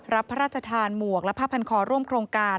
พระราชทานหมวกและผ้าพันคอร่วมโครงการ